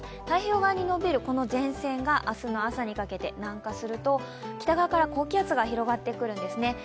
太平洋側に伸びる前線が明日の朝にかけて南下すると北側から高気圧が広がってくるんですね。